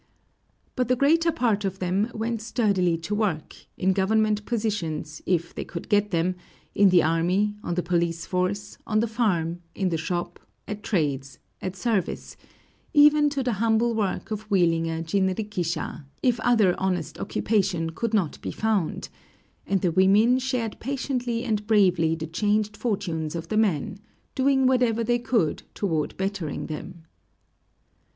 But the greater part of them went sturdily to work, in government positions if they could get them, in the army, on the police force, on the farm, in the shop, at trades, at service, even to the humble work of wheeling a jinrikisha, if other honest occupation could not be found; and the women shared patiently and bravely the changed fortunes of the men, doing whatever they could toward bettering them.